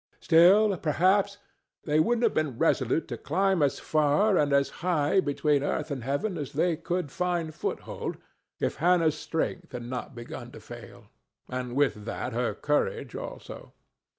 Still, perhaps, they would have been resolute to climb as far and as high between earth and heaven as they could find foothold if Hannah's strength had not begun to fail, and with that her courage also.